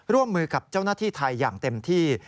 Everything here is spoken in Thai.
ร่วมมือกับเจ้าหน้าที่ไทยอย่างเต็มที่